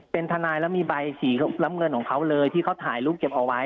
เป็นทนายแล้วมีใบสีน้ำเงินของเขาเลยที่เขาถ่ายรูปเก็บเอาไว้